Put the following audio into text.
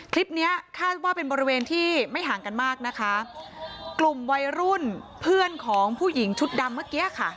คลิปเนี้ยคาดว่าเป็นบริเวณที่ไม่ห่างกันมากนะคะกลุ่มวัยรุ่นเพื่อนของผู้หญิงชุดดำเมื่อกี้ค่ะ